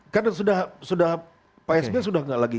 kan sudah pak sbi sudah gak lagi